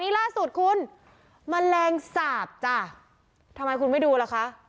นี่ล่าสูตรคุณมะแรงสาปจ้ะทำไมคุณไม่ดูเหรอคะ